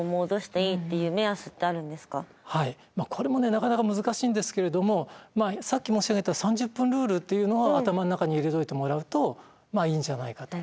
これもなかなか難しいんですけれどもさっき申し上げた３０分ルールっていうのを頭の中に入れておいてもらうといいんじゃないかと。